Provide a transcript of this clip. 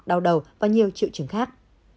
đau đầu và nhiều triệu chứng khác